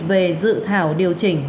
về dự thảo điều chỉnh